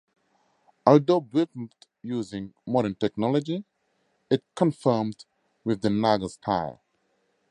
Although built using modern technology, it confirmed with the Nagar style.